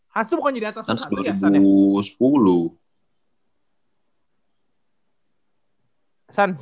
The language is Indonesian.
hans tuh bukan diatas lu satu ya san